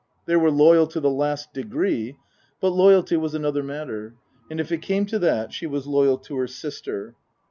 They were loyal to the last degree, but loyalty was another matter. And if it came to that she was loyal to her sister.